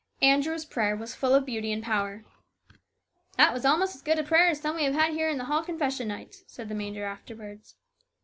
Andrew's prayer was full of beauty and power. " That was almost as good a prayer as some we have here in the hall confession nights," said the major afterwards.